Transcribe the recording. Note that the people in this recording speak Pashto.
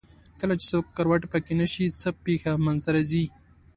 کله چې سکروټې پکه نه شي څه پېښه منځ ته راځي؟